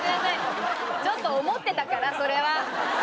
ちょっと思ってたからそれは。